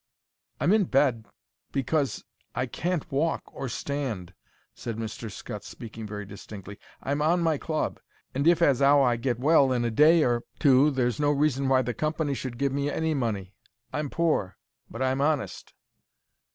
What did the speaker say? "I'm in bed—because—I can't walk or stand," said Mr. Scutts, speaking very distinctly. "I'm on my club, and if as 'ow I get well in a day or two, there's no reason why the company should give me any money. I'm pore, but I'm honest."